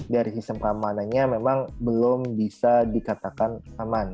dari sistem keamanannya memang belum bisa dikatakan aman